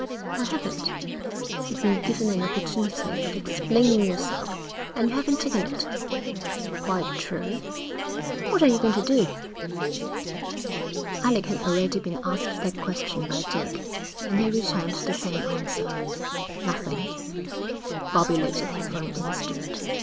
'I haven't.' 'You've been given an opportunity of explaining yourself, and you haven't taken it.' 'Quite true.' 'What are you going to do?' Alec had already been asked that question by Dick, and he returned the same answer. 'Nothing.' Bobbie looked at him for an instant.